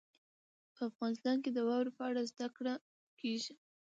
په افغانستان کې د واورې په اړه زده کړه کېږي.